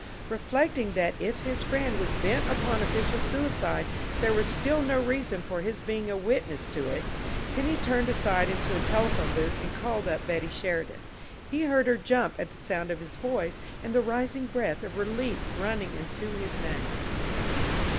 Reflecting that if his friend was bent upon official suicide, there was still no reason for his being, a witness to it, Penny turned aside into a telephone booth and called up Betty Sheridan. He heard her jump at the sound of his voice, and the rising breath of relief running into his name.